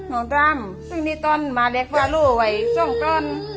น้องทำนี่ต้นมาเล็กพ่อลูกไว้ส่วนต้น